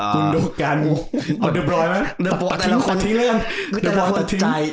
คุณโดกานเอาเตอร์บรอยไหมเตอร์บรอยตะทิ้ง